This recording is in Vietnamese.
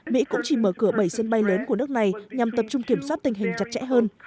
mỹ cũng chỉ mở cửa bảy sân bay lớn của nước này nhằm tập trung kiểm soát tình hình chặt chẽ hơn